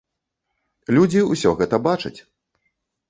Людзі ўсё гэта бачаць.